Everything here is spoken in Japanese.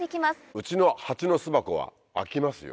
うちの蜂の巣箱は開きますよ。